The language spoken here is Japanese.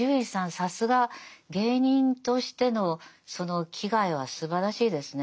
さすが芸人としてのその気概はすばらしいですね。